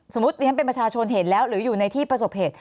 สมมุติอย่างนั้นเป็นประชาชนเห็นแล้วหรืออยู่ในที่ประสบเหตุ